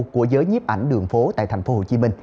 của giới nhiếp ảnh đường phố tại tp hcm